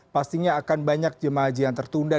pastinya akan banyak jemaah haji yang tertunda